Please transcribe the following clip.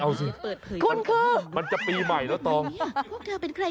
ความลับของแมวความลับของแมว